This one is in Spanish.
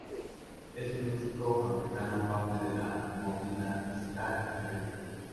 Es un músico jamaicano parte de la movida ska y reggae.